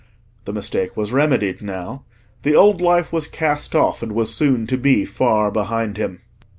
The mistake was remedied now: the old life was cast off, and was soon to be far behind him.